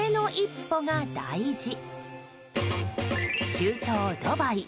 中東ドバイ。